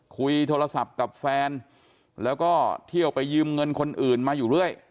คุยโทรศัพท์กับแฟนแล้วก็เที่ยวไปยืมเงินคนอื่นมาอยู่เรื่อย